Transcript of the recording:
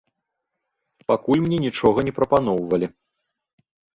Пакуль мне нічога не прапаноўвалі.